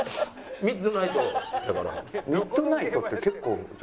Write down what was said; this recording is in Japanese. ミッドナイトって結構。